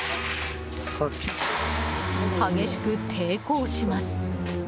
激しく抵抗します。